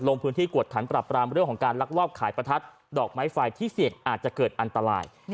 ลงพื้นที่กวดขันปรับปรามเรื่องของการลักลอบขายประทัดดอกไม้ไฟที่เสี่ยงอาจจะเกิดอันตราย